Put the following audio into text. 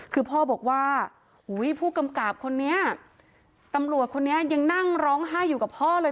คือพ่อบอกว่าผู้กำกับคนนี้ตำรวจคนนี้ยังนั่งร้องไห้อยู่กับพ่อเลย